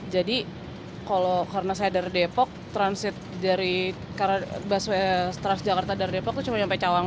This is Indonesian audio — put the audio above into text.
jadi kalau karena saya dari depok transit dari transjakarta dari depok itu cuma sampai cawang doang